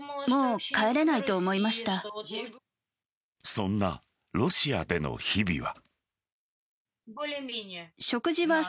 そんなロシアでの日々は。